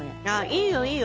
いいよいいよ